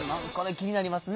気になりますね。